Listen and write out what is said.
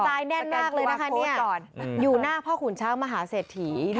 กระจายแน่นหน้ากเลยนะคะเนี่ยอยู่หน้าพ่อขุนช้าวมหาเสถีย์